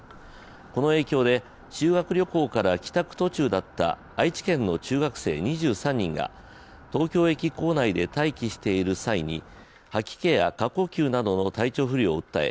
この影響で修学旅行から帰宅途中だった愛知県の中学生２３人が東京駅構内で待機している際に吐き気や過呼吸などの体調不良を訴え